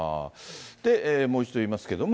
で、もう一度言いますけれども。